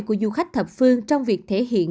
của du khách thập phương trong việc thể hiện